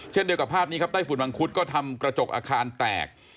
เช่นเดียวกับภาพนี้ครับใต้ฝุ่นมังคุดก็ทำกระจกอาคารแตก